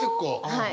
はい。